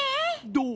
どう？